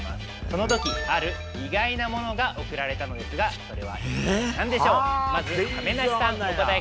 そのとき、ある意外なものが贈られたのですが、それは一体なんでしょう。